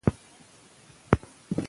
که ماشین وي نو کار نه سختیږي.